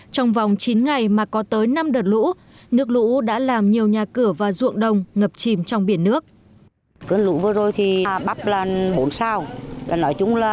trong vòng chín ngày mà có tới năm đợt lũ nước lũ đã làm nhiều nhà cửa và ruộng đông ngập chìm trong biển nước